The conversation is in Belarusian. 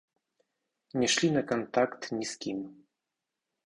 Не шлі на кантакт ні з кім.